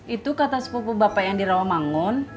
itu kata sepupu bapak yang di rawa manggun